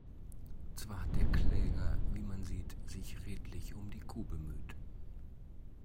Zwar hat der Kläger, wie man sieht, sich redlich um die Kuh bemüht.